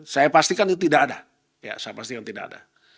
saya pastikan itu tidak ada